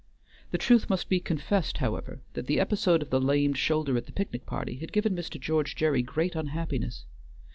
The truth must be confessed, however, that the episode of the lamed shoulder at the picnic party had given Mr. George Gerry great unhappiness.